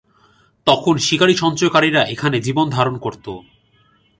তখন শিকারী-সঞ্চয়কারীরা এখানে জীবনধারণ করতো।